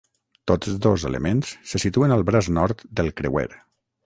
Tots dos elements se situen al braç nord del creuer.